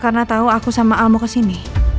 karena tau aku sama almo kesini